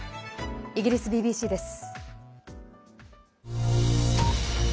イギリスＢＢＣです。